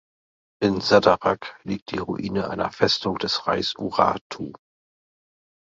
In Sədərək liegt die Ruine einer Festung des Reichs Urartu.